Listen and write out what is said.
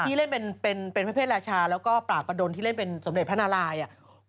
ที่เล่นเป็นพระเศษราชาแล้วก็ปราบประดนที่เล่นเป็นสมเด็จพระนารายอ่ะ